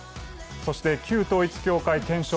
そして旧統一教会検証